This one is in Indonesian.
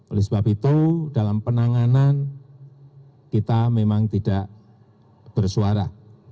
oleh sebab itu dalam penanganan kita memang tidak bersuara